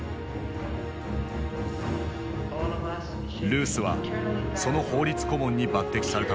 ルースはその法律顧問に抜てきされたのだ。